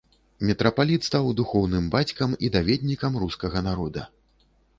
Мітрапаліт стаў духоўным бацькам і даведнікам рускага народа.